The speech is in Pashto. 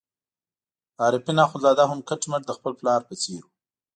عارفین اخندزاده هم کټ مټ د خپل پلار په څېر وو.